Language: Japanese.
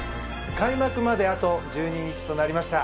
開幕まであと１２日となりました。